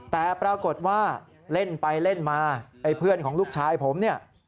แต่ปรากฏว่าเล่นไปเล่นมาไอ้เพื่อนของลูกชายผมเนี่ย